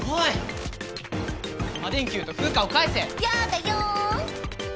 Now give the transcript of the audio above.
やだよん！